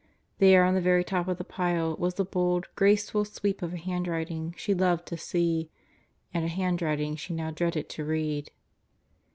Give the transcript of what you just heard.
There on the very top of the pile was the bold, graceful sweep of a handwriting she loved to see and a handwriting she now dreaded to read.